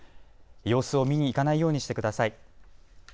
様子を見に行かないようにしてください。